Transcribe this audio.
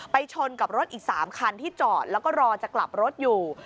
ชนกับรถอีก๓คันที่จอดแล้วก็รอจะกลับรถอยู่